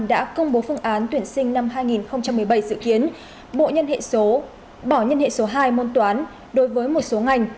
đã công bố phương án tuyển sinh năm hai nghìn một mươi bảy dự kiến bộ nhân hệ số bỏ nhân hệ số hai môn toán đối với một số ngành